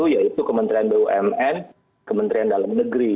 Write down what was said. yaitu kementerian bumn kementerian dalam negeri